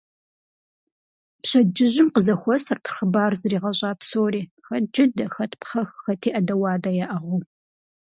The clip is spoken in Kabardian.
Пщэдджыжьым къызэхуэсырт хъыбар зригъэщӀа псори, хэт джыдэ, хэт пхъэх, хэти Ӏэдэ-уадэ яӀыгъыу.